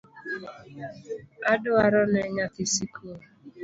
Adwarone nyathina sikul